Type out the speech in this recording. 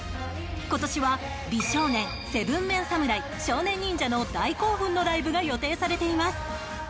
今年は美少年７ＭＥＮ侍、少年忍者の大興奮のライブが予定されています。